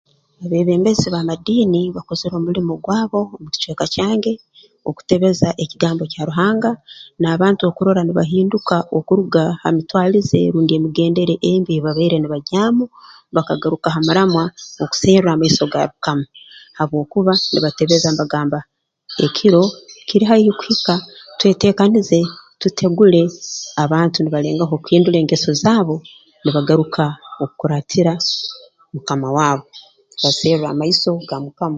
Abeebembezi b'amadiini bakozere omulimo gwabo omu kicweka kyange okutebeza ekigambo kya Ruhanga n'abantu okurora nibahinduka okuruga ha mitwalize rundi emigendere embi ei babaire nibagyaamu ba kagaruka ha muramwa okuserra amaiso ga Mukama habwokuba nibatebeza mbagamba ekiro kiri haihi kuhika tweteekanize tutegule abantu nibalengaho okuhindura engeso zaabo nibagaruka h'okukuratira Mukama waabu mbaserra amaiso ga Mukama